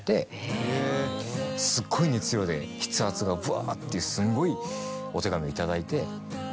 すっごい熱量で筆圧がブワっていうすごいお手紙を頂いて。